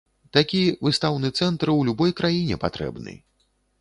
Такі выстаўны цэнтр у любой краіне патрэбны.